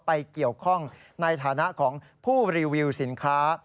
ไปเกี่ยวข้องในฐานะของผู้รีวิวสินค้า